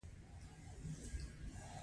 یو بل سړک ته تاو شول